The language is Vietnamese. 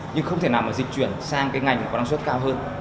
nhưng không thể nào mà dịch chuyển sang cái ngành có năng suất cao hơn